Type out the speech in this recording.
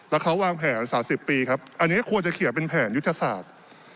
แล้วเขาวางแผน๓๐ปีครับอันนี้ควรจะเขียนเป็นแผนยุทธศาสตร์